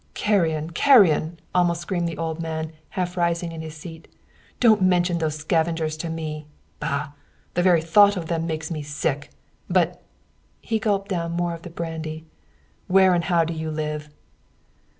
"Carrion! Carrion!" almost screamed the old man, half rising in his seat. "Don't mention those scavengers to me! Bah! The very thought of them makes me sick. But" he gulped down more of the brandy "where and how do you live?"